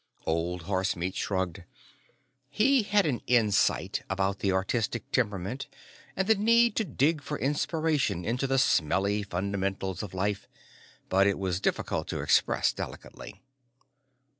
Old Horsemeat shrugged. He had an insight about the artistic temperament and the need to dig for inspiration into the smelly fundamentals of life, but it was difficult to express delicately.